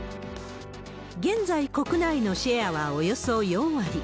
現在、国内のシェアはおよそ４割。